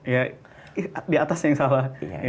ya di atas yang salah